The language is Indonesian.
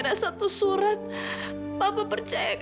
dan harus di jalur hujan